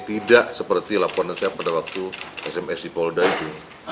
tidak seperti laporan saya pada waktu sms di polda itu